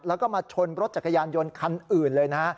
แล้วก็มาชนรถจักรยานยนต์คันอื่นเลยนะฮะ